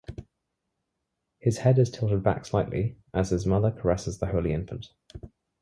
His head is tilted back slightly as his mother caresses the holy infant.